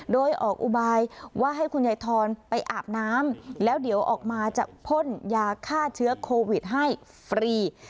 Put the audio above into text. โดยออกอุบายว่าให้คุณยายทอนไปอาบน้ำแล้วเดี๋ยวออกมาจะพ่นยาฆ่าเชื้อโควิดให้ฟรี